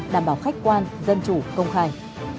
đảm bảo khách quan dân chủ công khai